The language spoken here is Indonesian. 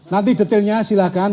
nanti detailnya silahkan